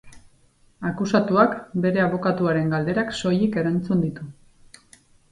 Akusatuak bere abokatuaren galderak soilik erantzun ditu.